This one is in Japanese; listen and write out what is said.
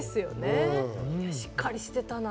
しっかりしてたな。